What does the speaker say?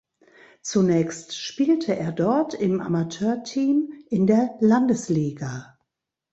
Zunächst spielte er dort im Amateurteam in der Landesliga.